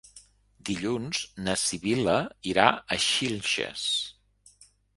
Dilluns na Sibil·la irà a Xilxes.